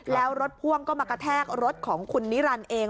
แล้วรถพ่วงก็มากระแทกรถของคุณนิรันดิ์เอง